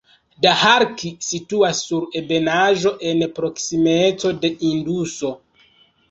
Daharki situas sur ebenaĵo en proksimeco de Induso.